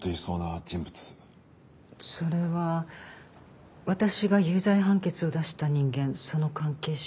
それは私が有罪判決を出した人間その関係者。